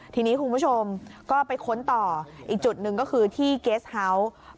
ทีนี้คุณผู้ชมก็ไปค้นต่ออีกจุดหนึ่งก็คือที่เกสเฮาส์